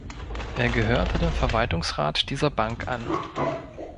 Er gehörte dem Verwaltungsrat dieser Bank an.